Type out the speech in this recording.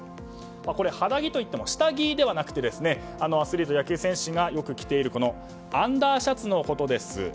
肌着といっても下着ではなくてアスリート、野球選手がよく着ているアンダーシャツのことです。